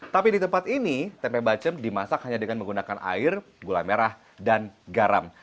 tapi di tempat ini tempe bacem dimasak hanya dengan menggunakan air gula merah dan garam